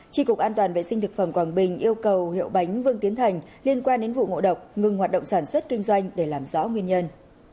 tri cục an toàn vệ sinh thực phẩm quảng bình yêu cầu hiệu bánh vương tiến thành liên quan đến vụ ngộ độc ngừng hoạt động sản xuất kinh doanh để làm rõ nguyên nhân